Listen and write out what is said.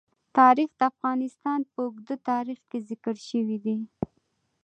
تاریخ د افغانستان په اوږده تاریخ کې ذکر شوی دی.